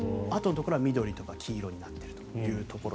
あとのところは緑とか黄色になっていると。